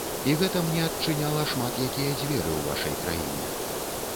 І гэта мне адчыняла шмат якія дзверы ў вашай краіне.